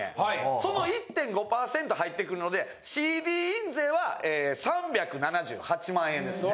その１．５％入ってくるのでＣＤ印税は３７８万円ですね。